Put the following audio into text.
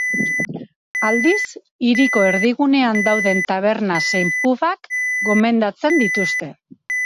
Aldiz, hiriko erdigunean dauden taberna zein pubak gomendatzen dituzte.